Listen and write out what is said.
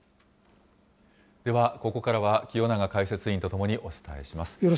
では、ここからは清永解説委員と共にお伝えします。